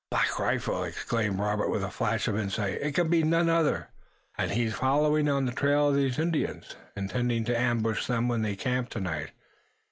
"Black Rifle!" exclaimed Robert, with a flash of insight. "It can be none other." "And he's following on the trail of these Indians, intending to ambush them when they camp tonight.